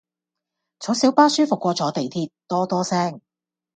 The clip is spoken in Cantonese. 坐小巴舒服過坐地鐵多多聲